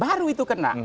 baru itu kena